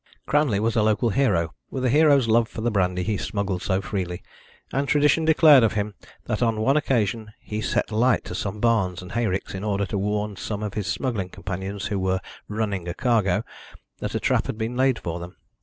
Cranley was a local hero, with a hero's love for the brandy he smuggled so freely, and tradition declared of him that on one occasion he set light to some barns and hayricks in order to warn some of his smuggling companions who were "running a cargo" that a trap had been laid for them.